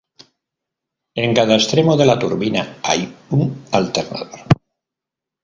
En cada extremo de la turbina hay un alternador.